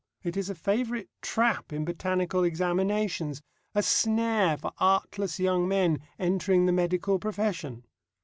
_ It is a favourite trap in botanical examinations, a snare for artless young men entering the medical profession.